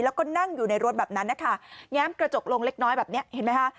แล้วก็นั่งอยู่ในรถแบบนั้นนะคะแง้มกระจกลงเล็กน้อยแบบนี้เห็นไหมคะ